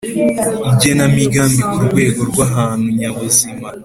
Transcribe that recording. Igenamigambi ku rwego rw ahantu nyabuzima